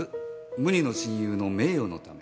無二の親友の名誉のため。